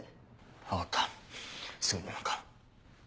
分かったすぐに向かう。